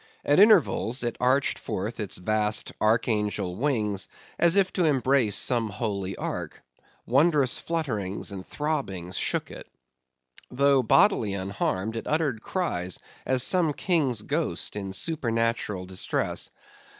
At intervals, it arched forth its vast archangel wings, as if to embrace some holy ark. Wondrous flutterings and throbbings shook it. Though bodily unharmed, it uttered cries, as some king's ghost in supernatural distress.